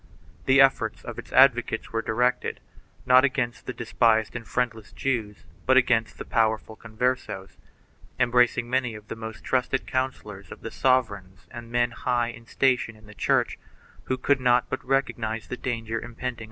The efforts of its advocates were directed, not against the despised and friendless Jews, but against the powerful Con versos, embracing many of the most trusted counsellors of the sovereigns and men high in station in the Church, who could not but recognize the danger impending on all who traced their descent from Israel.